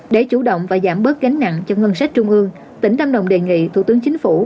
để chủ động và giảm bớt gánh nặng cho ngân sách trung ương tỉnh lâm đồng đề nghị thủ tướng chính phủ